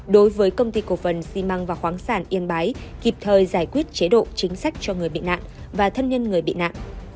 đối với công ty cổ phần xi măng và khoáng sản yên bái kịp thời giải quyết chế độ chính sách cho người bị nạn và thân nhân người bị nạn